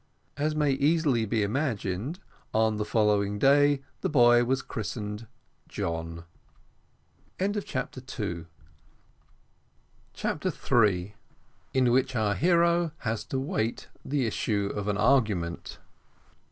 As may easily be imagined, on the following day the boy was christened John. CHAPTER THREE. IN WHICH OUR HERO HAS TO WAIT THE ISSUE OF AN ARGUMENT.